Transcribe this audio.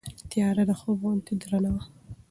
تیاره د خوب غوندې درنه وه.